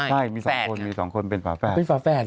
ใช่มี๒คนมี๒คนเป็นฝาแฟด